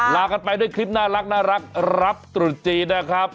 ลากันไปด้วยคลิปน่ารักรับตรุษจีนนะครับ